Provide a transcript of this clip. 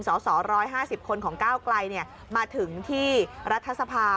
สส๑๕๐คนของก้าวไกลมาถึงที่รัฐสภาพ